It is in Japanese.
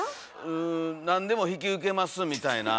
うん何でも引き受けますみたいな。